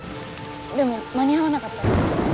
でも間に合わなかったら。